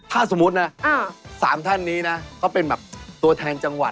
ถ้าสมมุตินะ๓ท่านนี้นะก็เป็นแบบตัวแทนจังหวัด